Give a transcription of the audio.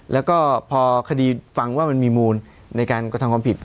แล้วก็พอคดีฟังว่ามันมีมูลในการกระทำความผิด